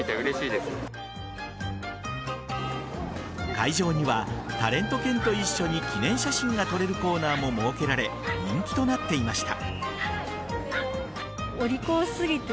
会場には、タレント犬と一緒に記念写真が撮れるコーナーも設けられ人気となっていました。